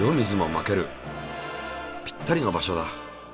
ぴったりの場所だ。